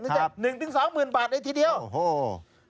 ครับบาทในทีเดียวโอ้โฮ